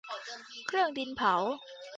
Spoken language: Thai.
เครื่องดินเผา